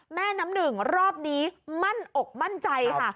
แม่น้ำหนึ่งรอบนี้มั่นอกมั่นใจค่ะ